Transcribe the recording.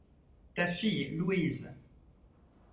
Ta fille, Louise.